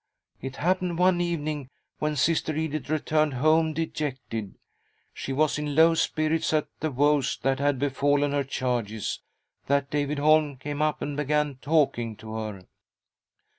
It happened one evening when Sister Edith returned home dejected — she was in low spirits at the woes that had befallen her charges — that David Holm came up and began talking to her.